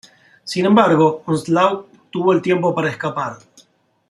Sin embargo, Onslaught tuvo el tiempo para escapar.